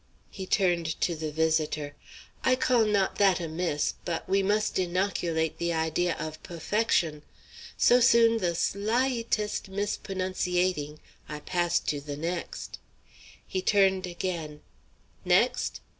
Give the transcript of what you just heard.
He turned to the visitor. "I call not that a miss; but we must inoculate the idea of puffection. So soon the sly y test misp'onounciating I pass to the next." He turned again: "Next!"